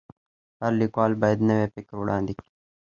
هر لیکوال باید نوی فکر وړاندي کړي.